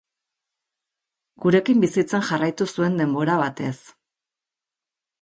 Gurekin bizitzen jarraitu zuen denbora batez.